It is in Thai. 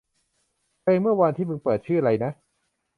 เพลงเมื่อวานที่มึงเปิดชื่อไรนะ